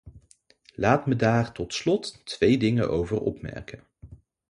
Laat me daar tot slot twee dingen over opmerken.